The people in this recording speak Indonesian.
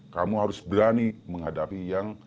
kamu harus berani menghadapi yang kamu alami